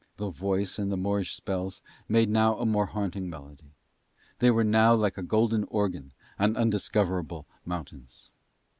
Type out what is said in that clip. The voice and the Moorish spells made now a more haunting melody: they were now like a golden organ on undiscoverable mountains.